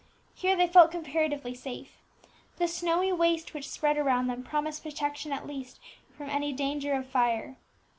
Here they felt comparatively safe; the snowy waste which spread around them promised protection at least from any danger from fire.